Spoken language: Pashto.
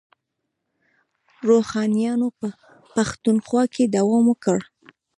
روښانیانو په پښتونخوا کې دوام وکړ.